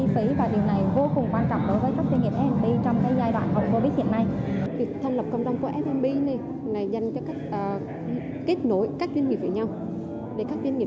và hơn thế cùng nhau để tiến xa hơn